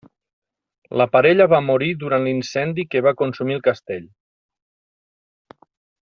La parella va morir durant l'incendi que va consumir el castell.